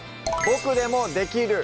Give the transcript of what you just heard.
「ボクでもできる！